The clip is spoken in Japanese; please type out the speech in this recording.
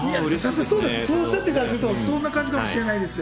そうおっしゃっていただけると、そんな感じかもしれないです。